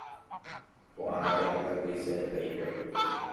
ko'ág̃a katu tahýicha heta hikuái.